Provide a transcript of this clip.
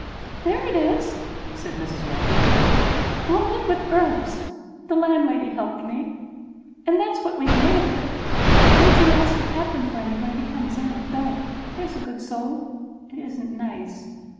"There it is!" said Mrs. Wragge. "Omelette with herbs. The landlady helped me. And that's what we've made of it. Don't you ask the captain for any when he comes in—don't, there's a good soul. It isn't nice.